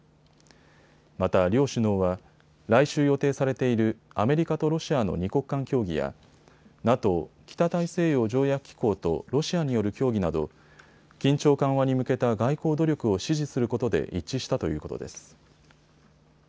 また両首脳は来週予定されているアメリカとロシアの２国間協議やＮＡＴＯ・北大西洋条約機構とロシアによる協議など緊張緩和に向けた外交努力を支持することで一致したということです。